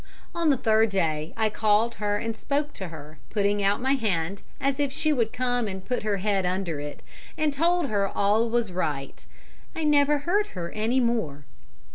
On the third day I called her and spoke to her, putting out my hand as if she would come and put her head under it, and told her all was right. I never heard her any more.